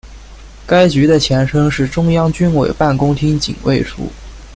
该局的前身是中央军委办公厅警卫处。